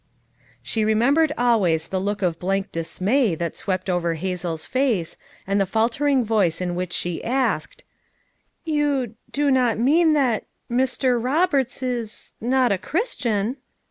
She rememhered always the look of blank dis may that swept over Hazel's face, and the fal tering voice in which she asked: "You do not mean that Mr, Roberts is not a Christian